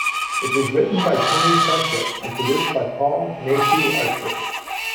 It was written by Tony Sarchet and produced by Paul Mayhew-Archer.